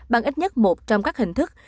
bằng ít nhất một trong các hình thức